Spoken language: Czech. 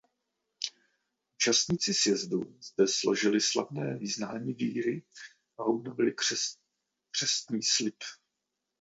Účastníci sjezdu zde složili slavné vyznání víry a obnovili křestní slib.